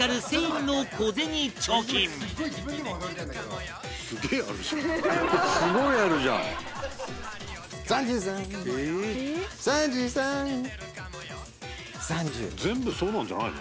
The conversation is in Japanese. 富澤：全部そうなんじゃないの？